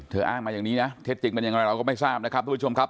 อ้างมาอย่างนี้นะเท็จจริงเป็นอย่างไรเราก็ไม่ทราบนะครับทุกผู้ชมครับ